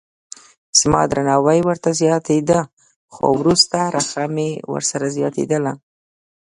زما درناوی ورته زیاتېده خو وروسته رخه مې ورسره زیاتېدله.